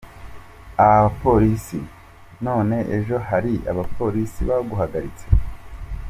Abapolisi : None ejo hari abapolisi baguhagaritse?.